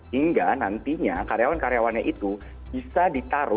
hingga nantinya karyawan karyawannya itu bisa ditaruh